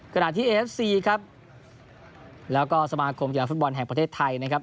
ขณะที่เอฟซีครับแล้วก็สมาคมกีฬาฟุตบอลแห่งประเทศไทยนะครับ